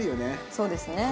そうですね。